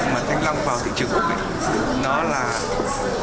mà thanh long vào thị trường úc này